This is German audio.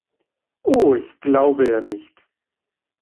Oh, ich glaube eher nicht.